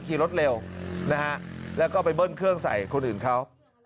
ขี่รถเร็วนะฮะแล้วก็ไปเบิ้ลเครื่องใส่คนอื่นเขา